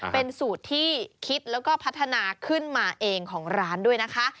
เป็นสูตรที่คิดแล้วก็พัฒนาขึ้นมาเองของร้านด้วยนะคะ